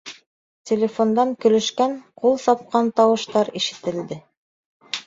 Телефондан көлөшкән, ҡул сапҡан тауыштар ишетелде.